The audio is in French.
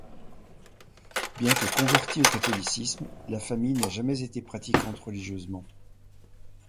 Bien que convertie au catholicisme, la famille n'a jamais été pratiquante religieusement.